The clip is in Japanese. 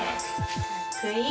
かっこいい！